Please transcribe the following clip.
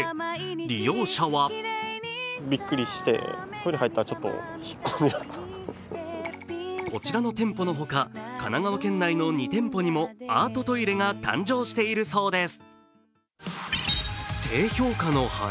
利用者はこちらの店舗のほか神奈川県内の２店舗にもアートトイレが誕生しているそうです。